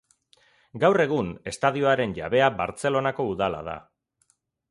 Gaur egun, estadioaren jabea Bartzelonako Udala da.